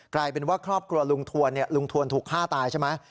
กลายเป็นว่าครอบครัวลุงทวนลุงทวนถูกฆ่าตายใช่ไหม